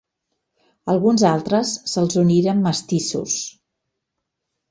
Alguns altres se’ls uniren mestissos.